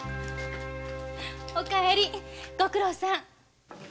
お帰りご苦労さん。